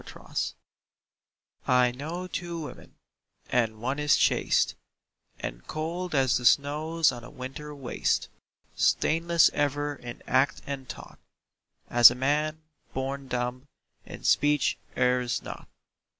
TWO WOMEN I know two women, and one is chaste And cold as the snows on a winter waste, Stainless ever in act and thought (As a man, born dumb, in speech errs not).